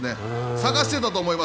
探してたと思います。